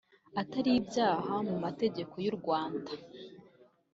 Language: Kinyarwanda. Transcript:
Atari ibyaha mu mategeko y’ U Rwanda